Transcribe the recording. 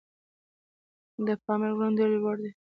د پامیر غرونه ډېر لوړ دي.